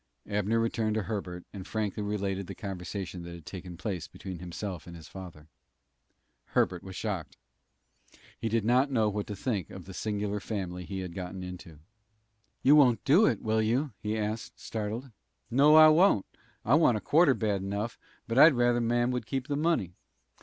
Abner returned to Herbert, and frankly related the conversation that had taken place between himself and his father. Herbert was shocked. He did not know what to think of the singular family he had got into. "You won't do it, will you?" he asked, startled. "No, I won't. I want a quarter bad enough, but I'd rather mam would keep the money.